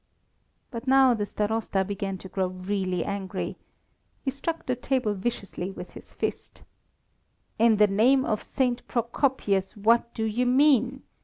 But now the Starosta began to grow really angry. He struck the table viciously with his fist. "In the name of St. Procopius, what do you mean?